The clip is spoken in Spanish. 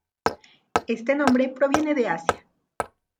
Este nombre proviene de Asia.